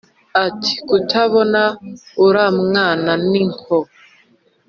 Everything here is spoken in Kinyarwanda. ati”kutabona uramwana ni nko